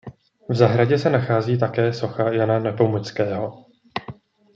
V zahradě se nachází také socha Jana Nepomuckého.